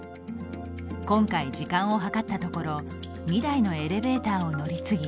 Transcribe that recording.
今回、時間を計ったところ２台のエレベーターを乗り継ぎ